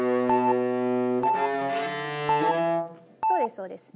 そうですそうです。